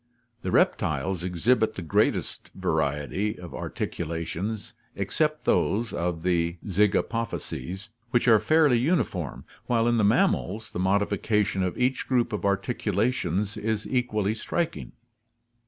The reptiles exhibit the greatest variety of articulations, except those of the zygapophyses, which are fairly uniform, while in the mammals the modification of each group of articulations is equally striking.